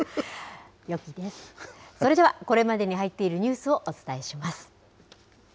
それでは、これまでに入っているニュースをお伝えします。